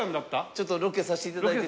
ちょっとロケさせて頂いてて。